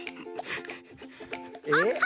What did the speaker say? えっ？